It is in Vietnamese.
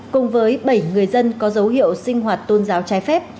cùng với bảy người dân có dấu hiệu sinh hoạt tôn giáo trái phép